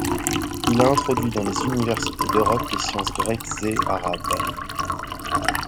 Il a introduit dans les universités d’Europe les sciences grecques et arabes.